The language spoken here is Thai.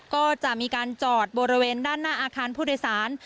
ก็จะมีการจอดบริเวณด้านหน้าอาคารผู้โดยสาร